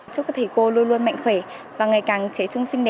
chúc các thầy cô luôn luôn mạnh khỏe và ngày càng trẻ trung sinh